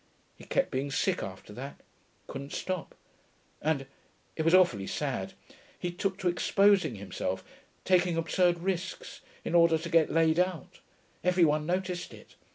He kept being sick after that; couldn't stop. And ... it was awfully sad ... he took to exposing himself, taking absurd risks, in order to get laid out; every one noticed it.